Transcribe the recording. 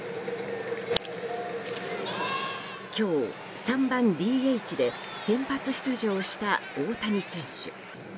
今日、３番ＤＨで先発出場した大谷選手。